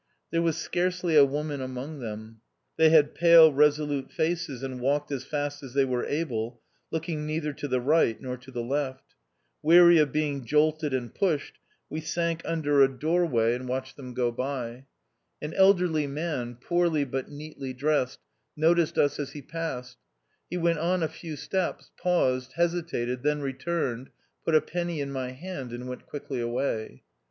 There was scarcely a woman among them. They had pale resolute faces, and walked as fast as they were able, looking neither to the right nor to the left. Weary of being jolted and pushed, we sank under a door THE OUTCAST. 193 vray and watched them go by. An elderly man, poorly but neatly dressed, noticed us as he passed ; he went on a few steps, paused, hesitated, then returned, put a penny in my hand, and went quickly away.